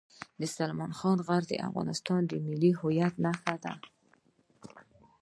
سلیمان غر د افغانستان د ملي هویت نښه ده.